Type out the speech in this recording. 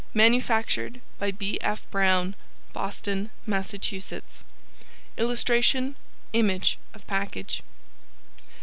Manufactured by B. F. Brown Boston, Mass. [Illustration: Image of package.